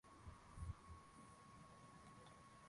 Huwa naoga mara mbili kwa siku